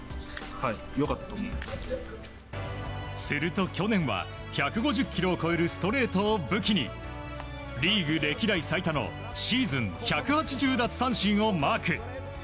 すると去年は１５０キロを超えるストレートを武器にリーグ歴代最多のシーズン１８０奪三振をマーク。